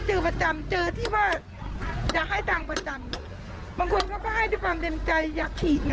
เจอประจำเจอที่ว่าจะให้ตังค์ประจำบางคนเขาก็ให้ด้วยความเต็มใจอยากฉีดนะ